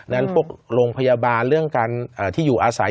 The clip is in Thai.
พวกโรงพยาบาลเรื่องการที่อยู่อาศัย